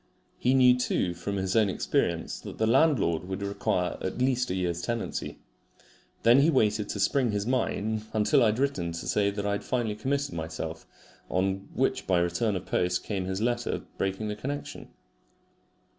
He knew too from his own experience that the landlord would require at least a year's tenancy. Then he waited to spring his mine until I had written to say that I had finally committed myself, on which by return of post came his letter breaking the connection.